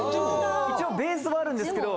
一応ベースはあるんですけど。